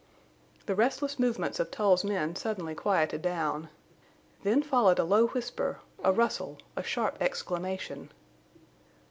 The restless movements of Tull's men suddenly quieted down. Then followed a low whisper, a rustle, a sharp exclamation.